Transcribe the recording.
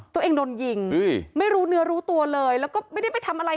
ตัวเองโดนยิงไม่รู้เนื้อรู้ตัวเลยแล้วก็ไม่ได้ไปทำอะไร